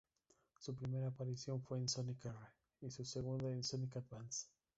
Su primera aparición fue en "Sonic R" y su segunda en "Sonic Advance".